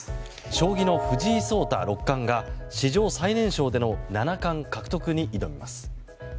将棋の藤井聡太六冠が史上最年少での七冠獲得に挑みます。